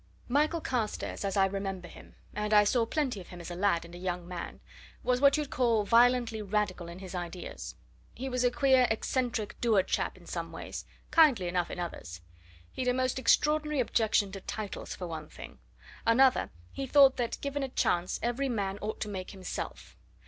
Michael Carstairs, as I remember him and I saw plenty of him as a lad and a young man was what you'd call violently radical in his ideas. He was a queer, eccentric, dour chap in some ways kindly enough in others. He'd a most extraordinary objection to titles, for one thing; another, he thought that, given a chance, every man ought to make himself.